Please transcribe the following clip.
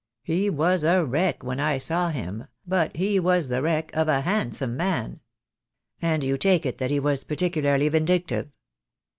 He was a wreck when I saw him, but he was the wreck of a handsome man." "And you take it that he was particularly vindictive?"